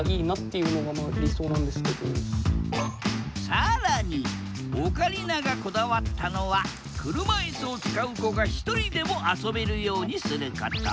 更にオカリナがこだわったのは車いすを使う子がひとりでも遊べるようにすること。